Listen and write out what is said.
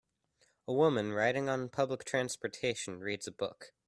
A woman, riding on public transportation, reads a book.